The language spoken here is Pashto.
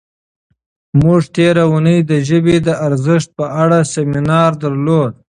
موږ تېره اونۍ د ژبې د ارزښت په اړه سیمینار درلود.